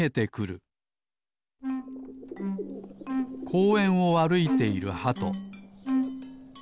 こうえんをあるいているハト。